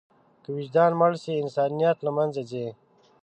که وجدان مړ شي، انسانیت له منځه ځي.